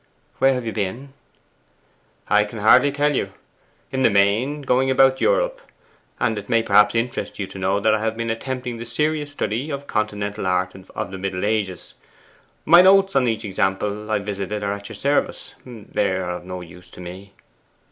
'Where have you been?' 'I can hardly tell you. In the main, going about Europe; and it may perhaps interest you to know that I have been attempting the serious study of Continental art of the Middle Ages. My notes on each example I visited are at your service. They are of no use to me.